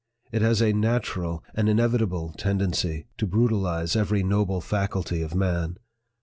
It has a natural, an inevitable tendency 'to brutalize every noble faculty of man.